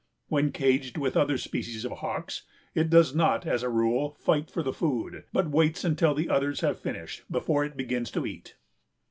When caged with other species of hawks, it does not as a rule fight for the food, but waits until the others have finished, before it begins to eat."